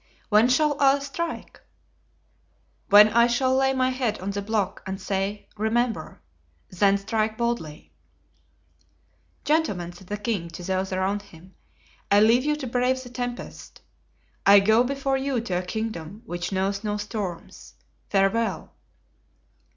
"When shall I strike?" "When I shall lay my head on the block and say 'Remember!' then strike boldly." "Gentlemen," said the king to those around him, "I leave you to brave the tempest; I go before you to a kingdom which knows no storms. Farewell."